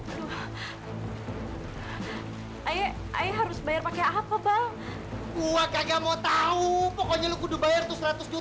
ini kayak buat nyicil utang mak lho